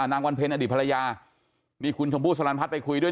นางวันเพ็ญอดีตภรรยานี่คุณชมพู่สลันพัฒน์ไปคุยด้วย